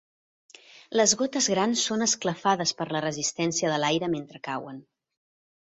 Les gotes grans són esclafades per la resistència de l'aire mentre cauen.